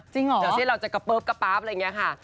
เหรอเดี๋ยวเส้นเราจะกระเิ๊บกระป๊าบอะไรอย่างนี้ค่ะ